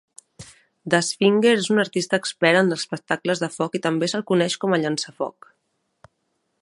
Dustfinger és un artista expert en espectacles de foc i també se'l coneix com a "llançafoc".